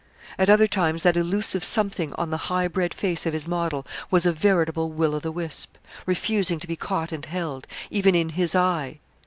At other times that elusive something on the high bred face of his model was a veritable will o' the wisp, refusing to be caught and held, even in his eye.